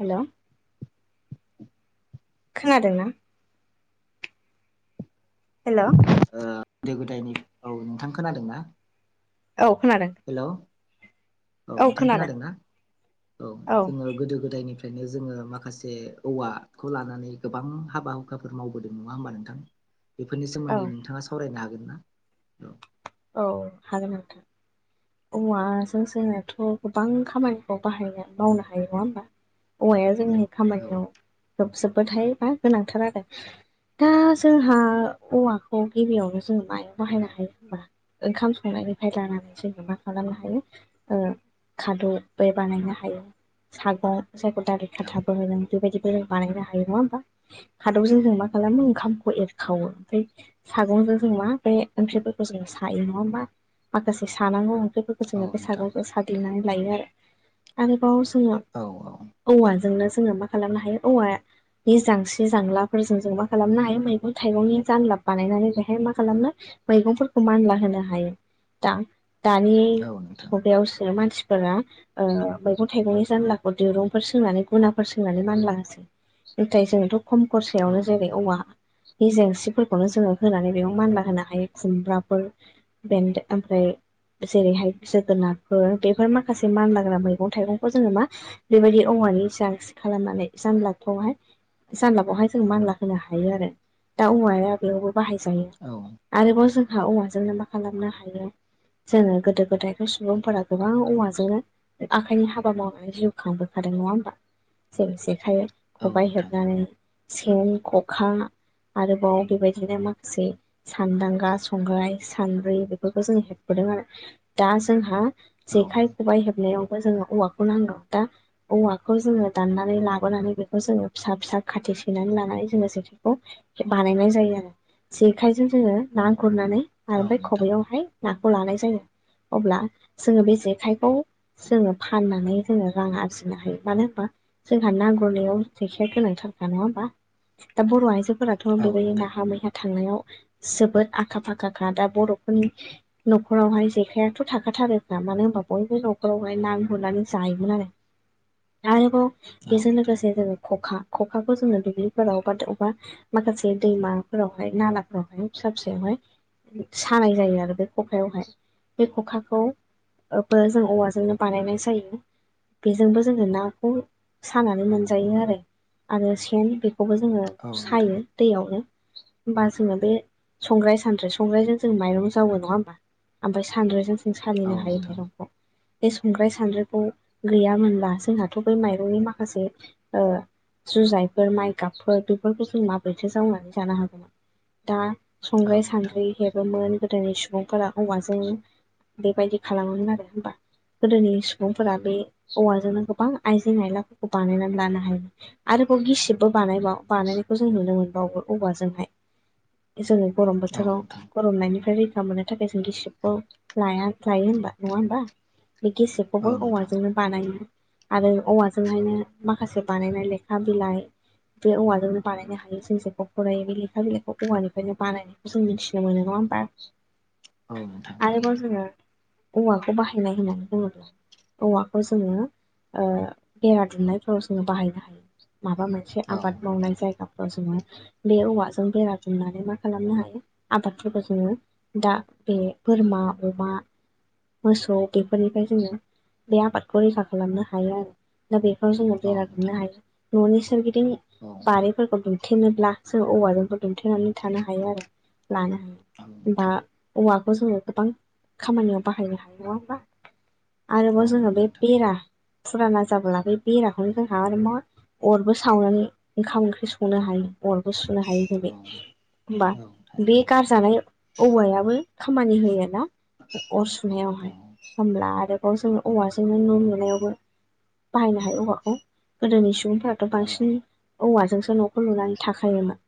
हेल' खोनादों ना? हेल' ओ गोदो गोदायनि औ नोंथां खोनादों ना? औ खोनादों। हेल' औ औ नोंथां खोनादों खोनादोंना औ जोङो गोदो गोदायनिफ्राय बिदिनो जोङो माखासे औवा खौ लानानै गोबां हाबा हुखाफोर मावबोदों नङा होमबा नोंथां। बेफोरनि औ सोमोन्दै नोंथाङा सावरायनो हागोन ना? औ औ हागोन नोंथां। औवाजों जोंथ' गोबां खामानिखौ बाहायनो मावनो हायो नङा होमबा? औवाया जोंनि औ खामानियाव [unintelligible] थाय मा गोनांथार आरो दा जोंहा औवाखौ गिबियावनो जोङो मायाव बाहायनो हायो होनबा ओंखाम संनायनिफ्राय लानानै जोङो मा खालामनो हायो ओ खादौ बे बानायनो हायो सागं जायखौ दालि खाथाबो होनो। बेबादिबो बानायनो हायो नङा होनबा। खादौजों जों मा खालामो ओंखामखौ एरखाव ओमफ्राय सागंजों जों मा बे ओंख्रिफोरखौ जोङो सायो नङा हा माखासे सानांगौ ओंख्रिफोरखौ औ जोङो बे नोंथां सागंजों सा- ग्लिनानै लायो आरो आरोबाव जोङो औ औ औवाजोंनो जोङो मा खालामनो हायो औवाया बे जांस्रि जांलाफोरजों जों मा खालामनो हायो मैगं थाइगंनि जानलाब बानायनानै बेहाय मा खालामनो मैगंफोरखौ मानला होनो हायो। दा दानि औ नोंथां मुगायावसो मानसि फोरा ओ मैगं थाइगंनि जानलाखौ दिरुंफोर सोंनानै गुनाफोर सोंनानै मानलाहोसै। नाथाय जोंथ' खम औ खरसायावनो जेरै नोंथां औवा नि जेन्सिफोरखौनो जोङो होनानै बेयाव मानला होनो हायो खुमब्रा फोर‌ बेन्दों ओमफ्राय जेरैहाय जोगोनारफोर बेफोर माखासे मानलाग्रा मैगं थाइगंखौ जोङो मा बेबायदि औवानि जांसि खालामनानै जानलाबखौहाय जानलाबावहाय जों मानला होनो हायो आरो दा औवाया बेवबो बाहाय जायो औ आरोबाव जों [unintelligible] औवाजोंनो मा खालामनो हायो जोङो गोदो गोदायथ' सुबुंफोरा गोबां औवाजोंनो आखाइनि हाबा मावनानै जिउ खांबोखादों नङा होमबा? जों जेखाय औ खबाइ नोंथां हेबनानै सेन, ख'खा आरोबाव बेबायदिनो माखासे सानदांगा संग्राइ, सान्द्रि बेफोरखौ जोङो हेबबोदों आरो। दा जोंहा औ जेखाइ खबाइ हेबनायावबो जोङो औवाखौ नांगौ दा औवाखौ जोङो दाननानै लाबोनानै बेखौ जोङो फिसा- फिसा खाथि सैनानै लानानै जोङो जेखायखौ बानायनाय जायो आरो जेखाइजों जोङो ना गुरनानै औ ओमफ्राय नोंथां खबायावहाय नाखौ लानाय जायो। अब्ला जोङो बे जेखाइखौ जोङो फाननानै जोङो रां आरजिनो हायो। मानो होनबा जोंहा ना गुरनायाव जेखाइया गोनांथारखा नङा होमबा? दा बर' आयजो- -फोराथ' औ नोंथां औ बेबायदि नाहा मैहा थांनायाव जोबोद आखा फाखाखा दा बर'फोरनि न'खरावहाय जेखायाथ' थाखाथारोखा मानो होनबा बयबो न'खरावहाय नां गुरनानै जायोमोन आरो। आरोबाव बेजों नोंथां लोगोसे जोङो ख'खा खखाखौ जोङो दुब्लिफोराव बा अबबा माखासे दैमाफोरावहाय नालाफोरावहाय फिसा फिसायावहाय सानाय जायो आरो बे खखायावहाय बे खखाखौ [unintelligible] जों औवाजोंनो बानायनाय जायो। बेजोंबो जोङो नाखौ सानानै मोनजायो आरो आरो सेन बेखौबो जोङो औ नोंथां सायो दैयावनो होनबा जों बे संग्राइ सानद्रि संग्रायजों जों माइरं जावो नङा होमबा? ओमफ्राय सानद्रिजों जों औ सालिनो हायो नोंथां औ माइरंखौ। बे संग्राय सान्द्रिखौ गैयामोनब्ला जोंहाथ' बै माइरंनि माखासे ओ जुजाइफोर, माइगाबफोर बेफोरखौ जों माबोरैथो जावनानै जानो हागोन। दा नोंथां संग्राय सान्द्रि हेबोमोन गोदोनि सुबुंफोरा औवाजों बेबायदि खालामोमोन आरो होमबा। गोदोनि सुबुंफोरा बे औवाजोंनो गोबां आइजें आयलाफोरखौ बानायनानै लानो हायो। आरोबाव गिसिबबो बानायबाव- बानायनायखौ जों नुनो मोनबावो औवाजोंहाय जोङो गरम बोथोराव गरमनायनिफ्राय रैखा मोननो थाखाय जों गिसिबखौ लाया -लायो होनबा नङा होनबा? बे औ नोंथां गिसिबखौबो औ नोंथां औवाजोंनो बानायो आरो औवाजोंहायनो माखासे बानायनाय लेखा बिलाइ बे औवाजोंनो बानायनो हायो ‌। जों जेखौ फरायो बे लेखा बिलाइखौ औवानिफ्रायनो बानायो। जों मिथिनो मोनो नङा होनबा? औ नोंथां थारैनो आरोबाव जोङो औवाखौ बाहायनाय होननानै बुङोब्ला औवा [unintelligible] जोङो बेरा दुमनायफोराव जोङो बाहायनो हायो माबामोन मोनसे औ आबाद मावनाय जायगाफ्राव जोङो बे औवाजों बेरा दुमनानै मा खालामनो हायो आबादफोरखौ जोङो दा बे बोरमा, अमा मोसौ बेफोरनिफ्राय जोङो बे आबादखौ रैखा खालामनो हायो आरो। दा बेफोराव जोङो औ बेरा नोंथां दुमनो हायो। न'नि सोरगिदिं औ। [unintelligible] दुमथेनोब्ला जों औवाजोंखौ दुमथेनानै थानो हायो आरो लानो औ हायो। बा नोंथां औवाखौ जोङो गोबां खामानियाव बाहायनो हायो। नङा होनबा? औ आरोबाव जोङो नंगौ बे नोंथां बेरा फुराना जाबोला बै बेराखौनो जोंहा आरो मा अरबो सावनानै ओंखाम ओंख्रि संनो हायो अरबो सुनो हायो जों औ होनबा औ बे थारैनो गारजानाय औवायाबो खामानि होयो आरोना अर औ सुनायावहाय होमब्ला आरो जोङो औवाजोंनो न' लुनायावबो बाहायनो हायो औवाखौ। गोदोनि सुबुंफ्रा औ बांसिन औवाजोंसो न'खौ लुनानै थाखायोमोन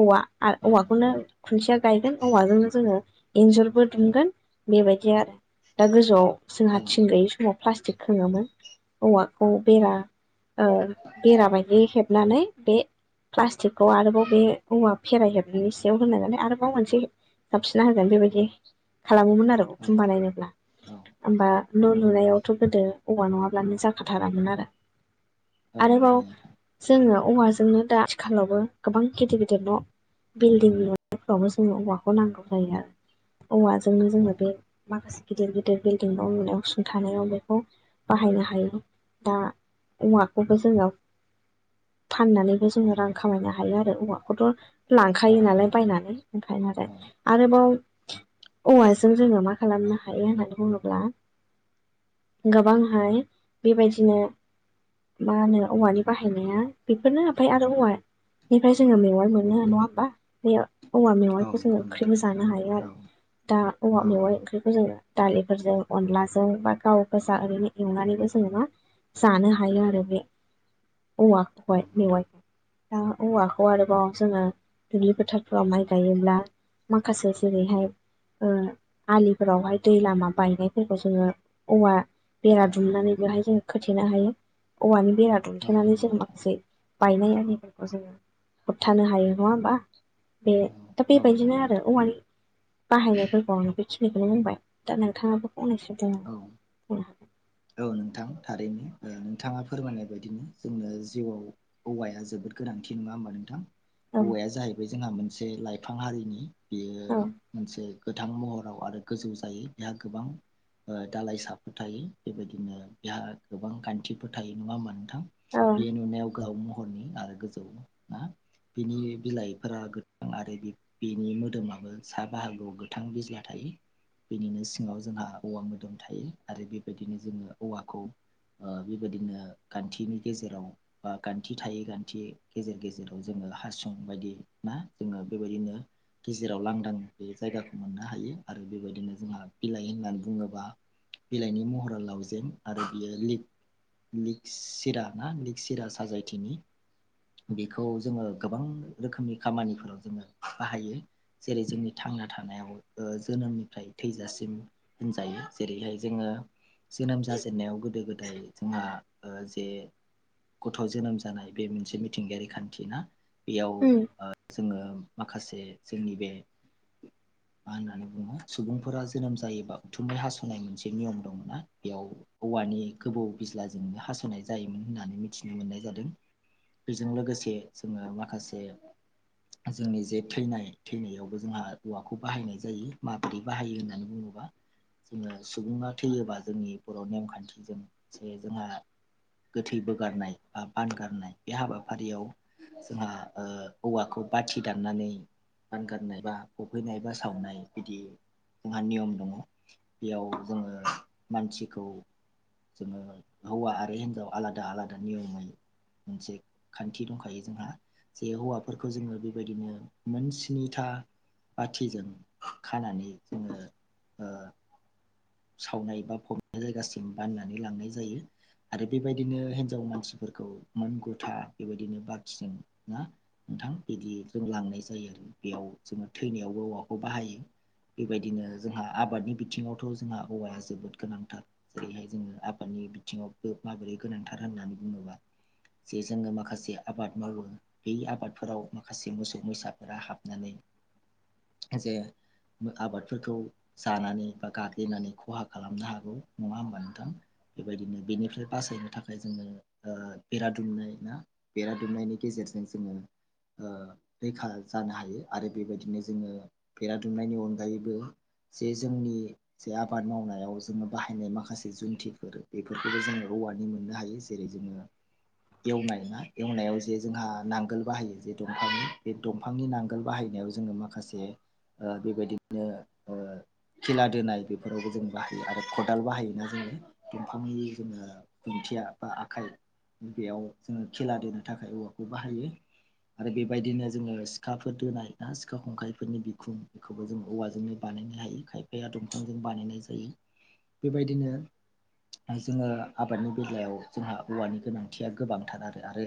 औवा आरो औ औवाखौनो नंगौ नोंथां खुन्थिया गायगोन औवाजोंनो जोङो एन्जुरबो दुमगोन बेबायदि आरो दा गोजौआव जोंहा औ थिं गैयि समाव प्लास्टिक खोङोमोन औवा बे बेरा औ ओ बेरा बायदि होनानै बे प्लास्टिकखौ आरोबाव बे औवा फेरायहोबनायनि सायाव होना आरोबाव मोनसे जाबसिनना होगोन बेबायदि खालामोमोन आरो औ उखुमबा नायनोब्ला औ ओमबा न' लुनायावथ' गोदो औवा नंङाब्लानो जाखाथारामोन आरो औ आरोबाव नंगौ नोंथां जोङो औवाजोंनो दा आथिखालावबो गोबां गिदिर- गिदिर न' बिल्डिं न' [unintelligible] जोङो औवाखौ नांगौ जायो आरो। औवाजोंनो जोङो बे माखासे गिदिर- गिदिर बिल्डिं न' लुनायाव सुंथानायाव बेखौ बाहायनो हायो दा औवाखौबो जोङो फाननानैबो जोङो रां खामायनो हायो आरो। औवाखौथ' औ लांखायो नालाय नोंथां बायनानै ओमफ्राय आरो औ आरोबाव औवाजों जोङो मा खालामनो हायो होननानै बुङोब्ला गोबांहाय बेबायदिनो मा होनो औवानि बाहायनाया बेफोरनो ओमफ्राय आरो औवा बेनिफ्राय जोङो मेवाइ मोनो नङा होमबा? बे औवा औ मेवाइखौ जोंङो नंगौ नोंथां ओंख्रिबो जानो हायो आरो औ दा औवा औ मेवाइ ओंख्रि जों दालिफोरजों अनलाजों बा गाव गोजा ओरैनो एवनानैबो जोङो मा जानो हायो आरो बे औवाखौहाय मेवाय दा औवाखौ आरोबाव जोंङो। दुब्लि फोथारफ्राव माइ गायोब्ला माखासे जेरैहाय ओ आलिफोरावहाय दै लामा बायनायफोरखौ जोङो औवा बेरा औ दुमनानै बेवहाय जोङो खोथेनो हायो औवानि बेरा औ दुमथेनानै नंगौ जों नोंथां माखासे बायनाय आरिफोरखौ जों होबथानो हायो नङा होमबा बे औ दा औ बेबायदिनो नंगौ आरो नोंथां औवानि बाहायनाय फोरबोआवनो बेखिनिखौनो बुंबाय दा नोंथाङाबो फंनैसो बुं औ उम औ नोंथां थारैनो ओ नोंथाङा फोरमायनाय बायदिनो जोंनो जिउआव औवाया जोबोद गोनांथि नङा होमबा नोंथां हागोन औवाया जाहैबाय जोंहा मोनसे लाइफां हारिनि बेयो औ मोनसे गोथां महराव आरो गोजौ जायो बेहा गोबां ओ दालाइसाफोर थायो। बेबायदिनो बेहा गोबां खान्थिफोर थायो नंङा होनबा नोंथां औ औ बे नुनायाव गोहाव हरनि आरो गोजौ ना बिनि बिलाइफोरा गोथां आरो बि बिनि मोदोमाबो सा बाहागोआव गोथां बिजला थायो। बेनिनो सिंङाव जोंहा औवा मोदोम थायो आरो बेबायदिनो जोङो औवाखौ ओ बेबायदिनो गानथिनि गेजेराव बा गानथि थायै गानथि गेजेर गेजेराव जोङो हासुं बायदि ना जोङो बेबायदिनो गेजेराव लांदां बे जायगाखौ मोननो हायो आरो बेबायदिनो जोंहा बिलाइ होननानै बुङोबा बिलाइनि महरा लावजें आरो बियो लिग लिग सिरा ना लिग सिरा साजायथिनि बेखौ जोङो गोबां रोखोमनि खामानिफोराव जोङो बाहायो जेरै जोंनि थांना थानायाव ओ जोनोमनिफ्राय थैजासिम होनजायो जेरैहाय जोङो जोनोम जाजेननायाव गोदो गोदाय जोंहा ओ जे गथ' जोनोम जानाय बे मोनसे मिथिंगायारि खानथि ना बेयाव उम जोङो माखासे जोंनि बे मा होननानै बुङो सुबुंफोरा जोनोम जायोबा उथुमै हास'नाय मोनसे नियम दं ना बेयाव औवानि गोबौ बिज्लाजोंनो हास'नाय जायोमोन होननानै मिथिनो मोननाय जादों बेजों लोगोसे जोङो माखासे जोंनि जे थैनाय थैनायावबो जोंहा औवाखौ बाहायनाय जायो मा बोरै बाहायो होननानै बुङोबा जोङो सुबुङा थैयोबा जोंनि बर' नेमखान्थिजों जे जोंहा गोथै बोगारनाय बा बानगारनाय बे हाबाफारियाव जोंहा ओ औवाखौ बाथि दाननानै बानगारनाय बा फबहैनाय बा सावनाय बिदि जोंहा नियम दङ। बेयाव जोङो मानसिखौ जोङो हौवा आरो हिनजाव आलादा आलादा नियमयै मोनसे खान्थि दंखायो जोंहा जे हौवाफोरखौ जोङो बेबायदिनो मोन स्नि था बाथिजों खानानै जोंङो ओ सावनाय बा फबनाय जायगासिम बाननानै लांनाय जायो। आरो बेबायदिनो हिनजाव मानसिफोरखौ मोन गुथा बेबायदिनो बारथिजों ना। नोंथां बिदि जों लांनाय जायो बेयाव जोङो थैनायावबो औवाखौ बाहायो। बेबायदिनो जोंहा आबादनि बिथिङावथ' जोंहा औवाया जोबोद गोनांथार फैहाय जोङो आबादनि बिथिङावबो माबोरै गोनांथार होननानै बुङोब्ला जे जोङो माखासे आबाद मावो बै आबादफोराव माखासे मोसौ मैसाफोरा हाबनानै जे आबादफोरखौ जानानै बा गाग्लि देनानै खहा खालामनो हागौ नङा होमबा नोंथां? बेबायदिनो बेनिफ्राय बासायनो थाखाय जोङो ओ बेरा दुमनाय ना बेरा दुमनायनि गेजेरजों जोङो ओ रैखा जानो हायो आरो बेबायदिनो जोङो बेेरा दुमनायनि अनगायैबो जे जोंनि जे आबाद मावनायाव जोङो बाहायनाय माखासे जुन्थिफोर बेफोरखौबो जोङो औौवानि मोननो हायो। जेरै जोङो एवनाय ना एवनायाव जे जोंहा नांगोल बाहायो जे दंफांनि बे दंफां बिफांनि नांगोल बाहायनायाव जोङो माखासे ओ बेबायदिनो खिला दोनाय बेफोरावबो जों बायो आरो खदाल बाहायोना जोङो दम्फांनि जोङो खुन्थिया बा आखाइ बेयाव जोङो खेला दोननो थाखाय औवाखौ बाहायो। आरो बेबायदिनो जोङो सिखाफोर दोनाय ना सिखा खंखाइफोरनि बिखुं खौबो जों औवाजोंनो बानायनो हायो खायफाया द बिफांजों बानायनाय जायो बेबायदिनो जोङो आबादनि बेलायाव जोंहा औवानि गोनांथिया गोबांथार आरो आरो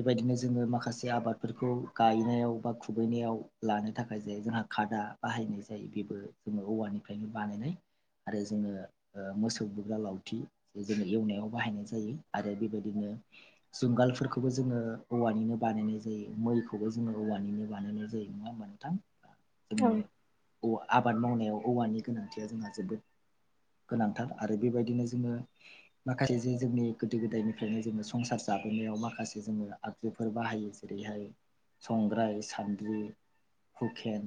बेबायदिनो जोङो माखासे आबादफोरखौ गायनायाव बा खुबैनायाव लानो थाखाय जायो जोंहा खादा बाहायनाय जायो बेबो जोङो औवानिफ्रायनो बानायनाय आरो जोङो ओ मोसौ बुोग्रा लावथि जोङो एवनायाव बाहायनाय जायो आरो बेबायदिनो जुंगालफोरखौबो जोङो औवानिनो बानायनाय जायो मैखौबो जोङो औवानिनो बानायनाय जायो। नङा होमबा नोंथां? औ औ आबाद मावनायाव औवानि गोनांथिया जोंहा जोबो गोनांथार आरो बेबायदिनो जोङो माखासे जे जोंनि गोदो गोदायनिफ्रायनो जोङो संसार जाबोनायाव माखासे जोङो आगजुफोर बाहायो जेरैहाय संग्राय सान्द्रि हुकेन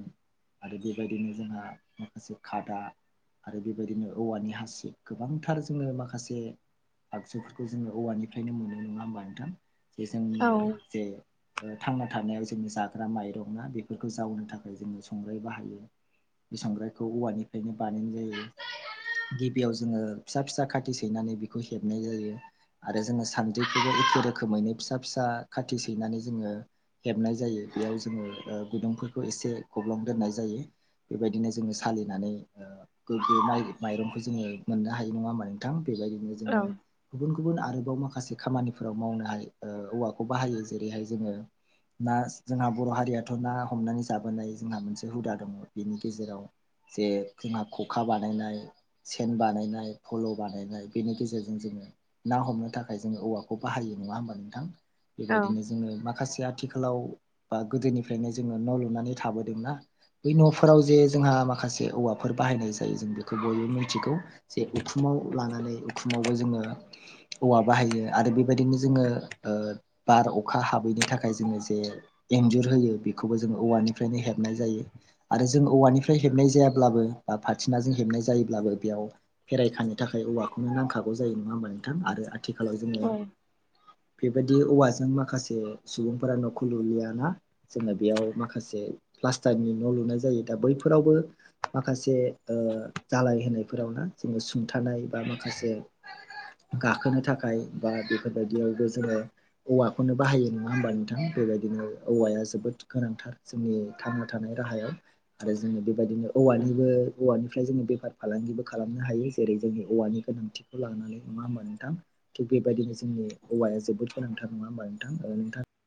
आरो बेबायदिनो जोंहा माखासे खादा आरो बेबायदिनो औवानि हासि गोबांथार जोङो माखासे आगजुफोरखौ जोङो औवानिफ्रायनो मोनो नङा होमबानोथां जे जोंनि जे ओ थांना थानायाव जोंनि जाग्रा माइरं ना बेफोरखौ जावनो थाखाय जोङो संग्राय बाहायो। बे सांग्रायखौ औवानिफ्रायनो बानायनाय जायो। गिबियाव जोङो फिसा फिसा खाथि सैनानै बेखौ हेबनाय जायो। आरो जोङो सान्द्रिखौबो एखे रोखोमैनो फिसा फिसा खाथि सैनानै जोङो हेबनाय जायो बेयाव जोङो ओ गुदुंफोरखौ एसे गब्लां दोननाय जायो बेबायदिनो जोङो फालिनानै ओ गोगो माइ-माइरंखौ जोङो मोननो हायो नङा होमबा नोंथां बेबायदिनो औ जोङो गुबुन गुबुन आरोबाव माखासे खामानिफोराव मावनोहायो ओ औवाखौ बाहायो जेरैहाय जोङो ना जोंहा बर' हारियाथ' ना हमनानै जाबोनाय जोंहा मोनसे हुदा दङ बेनि गेजेराव जे जोंहा खखा बानायनाय सेन बानायनाय फल' बानायनाय बेनि गेजेरजों जोङो ना हमनो थाखाय जोङो औवाखौ बाहायो नङा होमबा नोंथां औ बेबायदिनो जोङो माख माखासे आथिखालाव बा गोदोनिफ्रायनो जोङो न' लुनानै थाबोदोंना बै न'फोराव जे जोंहा माखासे औवाफोर बाहायनाय जायो जों बेखौ बयबो मिथिगौ। जे उखुमाव लानानै उखुमावबो जोङो औौवा बाहायो आरो बेबायदिनो जोङो ओ बार अखा हाबैनि थाखाय जोङो जे एन्जुर होयो बेखौबो जों औवानिफ्रायनो हेबनाय जायो आरो जों औवानिफ्राय हेबनाय जायाब्लाबो बा फाथिनाजोंों हेबनाय जायोब्लाबो बेयाव फेररायखांनो थाखाय औवाखौनो नांखागौ। [unintelligible] जायो नङा होमबा नोंथां आरो आथिखालाव जोङो औ बेबायदि औवाजों माखासे सुबुंफोरा न'खौ लुलियाना। जोङो बेयाव माखासे प्लास्टारनि न' लुनाय जायो दा बै फोरावबो माखासे ओ जालाय होनायफोरावनो जोङो सुंथानाय बा माखासे गाखोनो थाखाय बा बेफोरबायदियावबो जोङो औवाखौनो बाहायो नङा होमबा नोंथां बेबायदिनो औवाया जोबोद गोनांथार। जोंनि थांना थानाय राहायाव आरो जोङो बेबायदिनो औवानिबो औवानिफ्राय जोङो बेफार फालांगिबो खालामनो हायो जेरै जोंनि औवानि गोनांथि खौ लानानै नङा होमबा नोंथां? थिग बेबायदिनो जोंनि औवाया जोबोद गोनांथार नङा होमा नोंथां? औ नोंथां